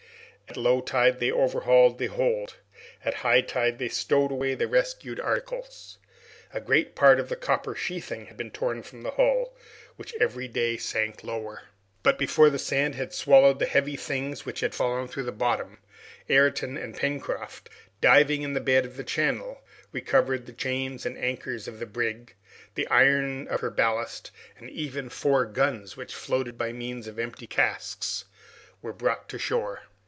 At low tide they overhauled the hold at high tide they stowed away the rescued articles. A great part of the copper sheathing had been torn from the hull, which every day sank lower. But before the sand had swallowed the heavy things which had fallen through the bottom, Ayrton and Pencroft, diving to the bed of the channel, recovered the chains and anchors of the brig, the iron of her ballast, and even four guns, which, floated by means of empty casks, were brought to shore.